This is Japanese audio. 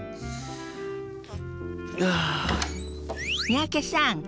三宅さん